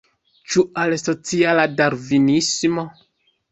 Ĉu al sociala darvinismo?